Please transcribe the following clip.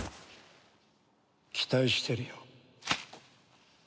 期待してるよ。